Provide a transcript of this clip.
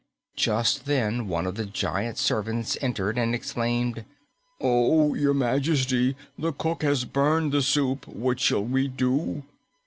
Just then one of the giant servants entered and exclaimed, "Oh, Your Majesty, the cook has burned the soup! What shall we do?"